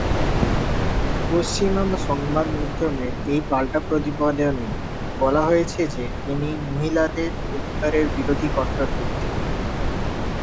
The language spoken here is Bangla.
পশ্চিমা সংবাদমাধ্যমের এই পাল্টা প্রতিবেদনে বলা হয়েছে যে তিনি মহিলাদের অধিকারের বিরোধী কট্টরপন্থী।